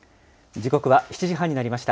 時刻は７時半になりました。